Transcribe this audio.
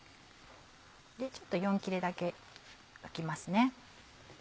ちょっと４切れだけ置きますね。